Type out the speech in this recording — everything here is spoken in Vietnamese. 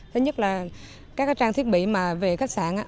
thứ nhất là các trang thiết bị mà về khách sạn